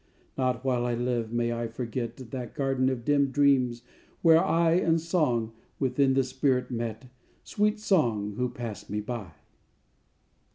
_ _Not while I live may I forget That garden of dim dreams, where I And Song within the spirit met, Sweet Song, who passed me by.